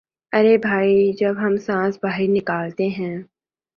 ارے بھئی جب ہم سانس باہر نکالتے ہیں